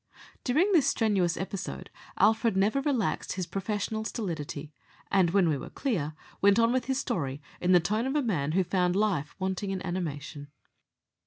During this strenuous episode Alfred never relaxed his professional stolidity, and, when we were clear, went on with his story in the tone of a man who found life wanting in animation.